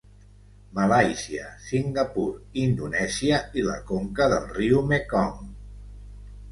Malàisia, Singapur, Indonèsia i la conca del riu Mekong.